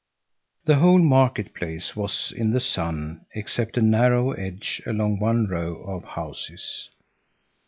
The whole market place was in the sun except a narrow edge along one row of houses.